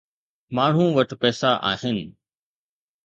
ماڻهو وٽ پئسا آهن.